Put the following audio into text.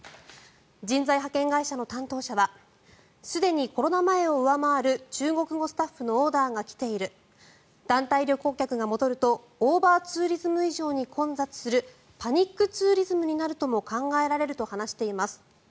人材派遣会社の担当者はすでにコロナ前を上回る中国語スタッフのオーダーが来ている団体旅行客が戻るとオーバーツーリズム以上に混雑するパニックツーリズムになるとも考えられるとも話しています。